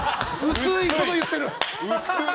薄いこと言ってる！